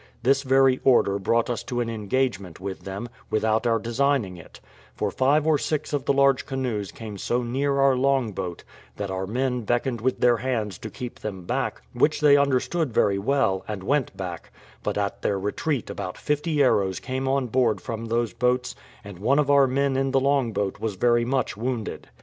This very order brought us to an engagement with them, without our designing it; for five or six of the large canoes came so near our long boat, that our men beckoned with their hands to keep them back, which they understood very well, and went back: but at their retreat about fifty arrows came on board us from those boats, and one of our men in the long boat was very much wounded.